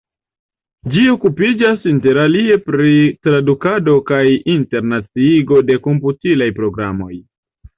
Ĝi okupiĝas interalie pri tradukado kaj internaciigo de komputilaj programoj.